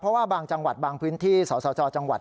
เพราะว่าบางจังหวัดบางพื้นที่สสจจังหวัด